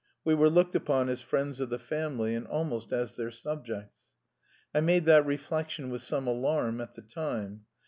We were looked upon as friends of the family, and almost as their subjects. I made that reflection with some alarm at the time.